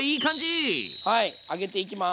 はい上げていきます。